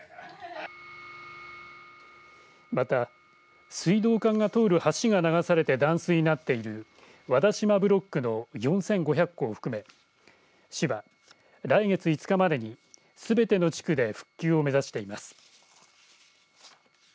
また、水道管が通る橋が流されて断水になっている和田島ブロックの４５００戸を含め市は、来月５日までにすべての地区で復旧を目指しています。